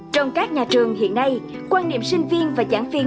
trong các nhà trường hiện nay quan niệm sinh viên và giảng viên